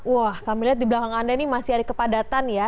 wah kami lihat di belakang anda ini masih ada kepadatan ya